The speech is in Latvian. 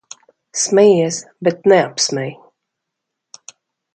Smejies, bet neapsmej.